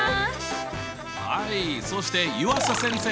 はいそして湯浅先生。